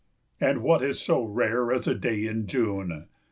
And what is so rare as a day in June?